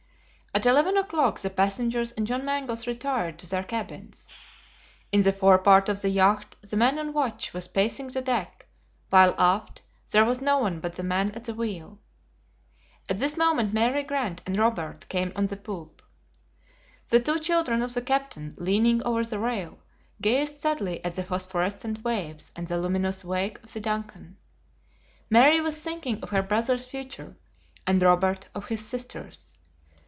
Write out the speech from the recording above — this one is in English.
At eleven o'clock, the passengers and John Mangles retired to their cabins. In the forepart of the yacht the man on watch was pacing the deck, while aft, there was no one but the man at the wheel. At this moment Mary Grant and Robert came on the poop. The two children of the captain, leaning over the rail, gazed sadly at the phosphorescent waves and the luminous wake of the DUNCAN. Mary was thinking of her brother's future, and Robert of his sister's.